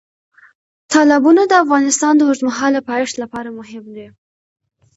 تالابونه د افغانستان د اوږدمهاله پایښت لپاره مهم دي.